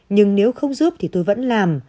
nhưng nếu không giúp thì tôi vẫn làm